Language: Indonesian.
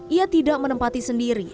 ia tidak menempati sendiri